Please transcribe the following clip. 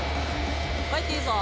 帰っていいぞ。